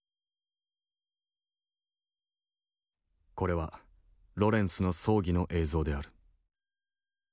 これはロレンスの葬儀の映像である。